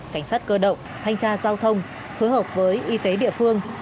cảnh sát cơ động thanh tra giao thông phối hợp với y tế địa phương